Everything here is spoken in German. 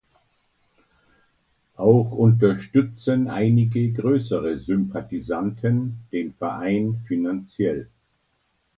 Auch unterstützen einige größere Sympathisanten den Verein finanziell.